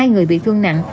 hai người bị thương nặng